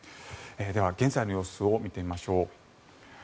では、現在の様子を見てみましょう。